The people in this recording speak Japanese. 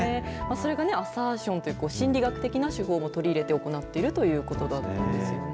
それがアサーションという心理学的な手法も取り入れて行っているということだったんですよね。